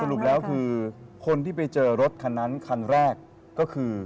รุปแล้วคือคนที่ไปเจอรถคันนั้นคันแรกก็คือ